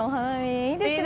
いいですね。